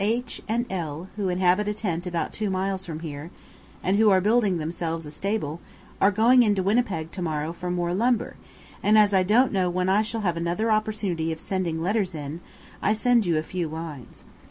H and L , who inhabit a tent about two miles from here, and who are building themselves a stable, are going into Winnipeg to morrow for more lumber; and as I don't know when I shall have another opportunity of sending letters in, I send you a few lines.